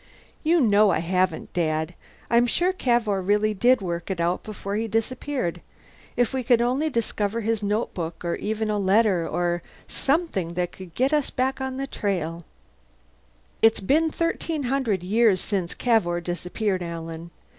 "You know I haven't, Dad. I'm sure Cavour really did work it out, before he disappeared. If we could only discover his notebook, or even a letter or something that could get us back on the trail " "It's been thirteen hundred years since Cavour disappeared, Alan.